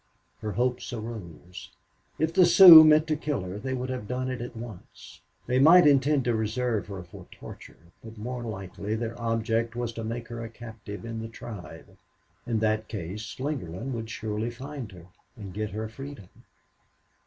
Her hopes arose. If the Sioux meant to kill her they would have done it at once. They might intend to reserve her for torture, but more likely their object was to make her a captive in the tribe. In that case Slingerland would surely find her and get her freedom.